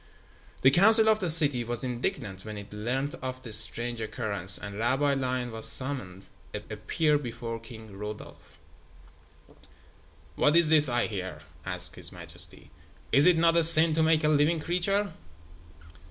The Council of the city was indignant when it learned of the strange occurrence, and Rabbi Lion was summoned to appear before King Rudolf. "What is this I hear," asked his majesty. "Is it not a sin to make a living creature?"